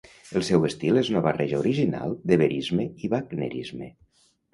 El seu estil és una barreja original de verisme i wagnerisme.